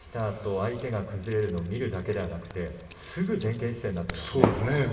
あと相手が崩れるのを見るだけではなくて、すぐに前傾姿勢になっていますね。